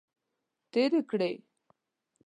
تیرې کړې.